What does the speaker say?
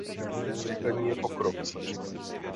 Každé zrychlení je pokrok, slečno.